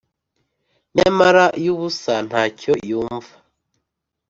Nyamara y'ubusa, nta cyo yumva!